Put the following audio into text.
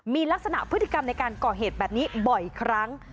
มีลักษณะพฤติกรรมในการก่อเหตุแบบนี้บ่อยครั้ง